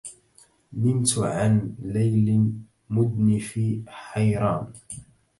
نمت عن ليل مدنف حيران